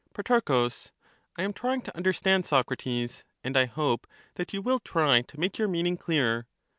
Pro. I am trying to understand, Socrates, and I hope that you will try to make your meaning clearer.